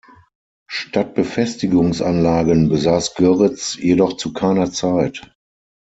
Stadtbefestigungsanlagen besaß Göritz jedoch zu keiner Zeit.